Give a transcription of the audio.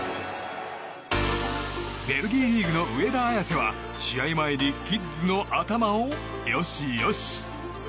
ベルギーリーグの上田綺世は試合前にキッズの頭をよしよし。